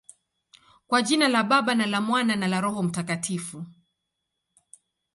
Kwa jina la Baba, na la Mwana, na la Roho Mtakatifu.